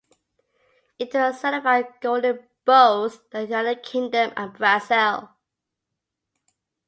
It was certified gold in both the United Kingdom and Brazil.